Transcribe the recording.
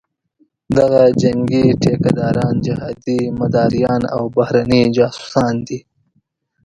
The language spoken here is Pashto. دغه جنګي ټیکه داران، جهادي مداریان او بهرني جاسوسان دي.